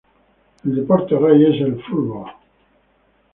El deporte rey es el fútbol.